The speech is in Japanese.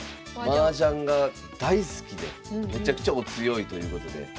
マージャンが大好きでめちゃくちゃお強いということで。